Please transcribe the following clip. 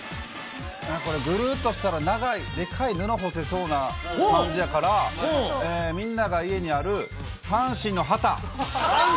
これ、ぐるーっとしたら長い、でかい布干せそうな感じやから、みんなが家にある阪神の旗。